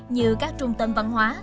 như các trung tâm văn hóa